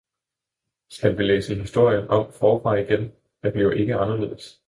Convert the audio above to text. Skal vi læse historien om forfra igen? – Den bliver ikke anderledes.